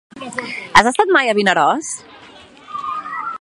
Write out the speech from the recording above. Has estat mai a Vinaròs?